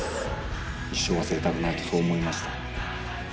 一生忘れたくないとそう思いました。